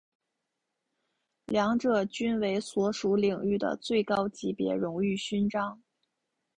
两者均为所属领域的最高级别荣誉勋章。